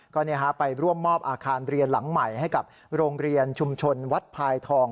ก็ไปร่วมมอบอาคารเรียนหลังใหม่ให้กับโรงเรียนชุมชนวัดพายทอง